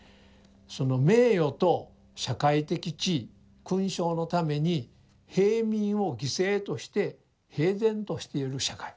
その名誉と社会的地位勲章のために平民を犠牲として平然としている社会。